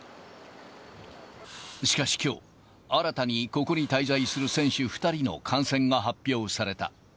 しかしきょう、新たに、ここに滞在する選手２人の感染が発表された。